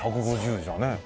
１５０じゃあね。